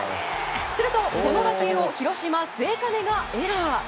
すると、この打球を広島、末包がエラー。